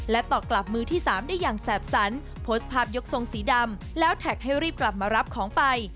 ตอบกลับมือที่สามได้อย่างแสบสันโพสต์ภาพยกทรงสีดำแล้วแท็กให้รีบกลับมารับของไป